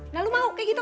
nah lo mau kaya gitu